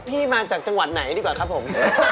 มาจากจังหวัดไหนดีกว่าครับผม